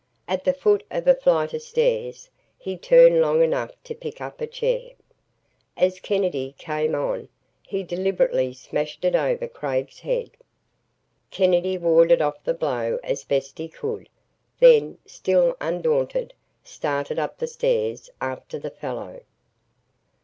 At the foot of a flight of stairs, he turned long enough to pick up a chair. As Kennedy came on, he deliberately smashed it over Craig's head. Kennedy warded off the blow as best he could, then, still undaunted, started up the stairs after the fellow.